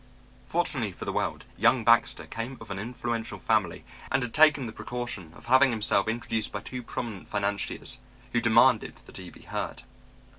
Fortunately for the world, young Baxter came of an influential family and had taken the precaution of having himself introduced by two prominent financiers, who demanded that he be heard.